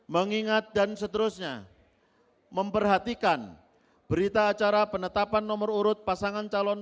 mengingat dan seterusnya memperhatikan berita acara penetapan nomor urut pasangan calon